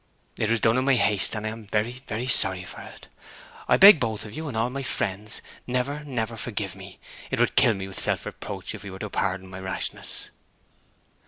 'It was done in my haste, and I am very, very sorry for it! I beg both you and all my few friends never, never to forgive me! It would kill me with self reproach if you were to pardon my rashness!'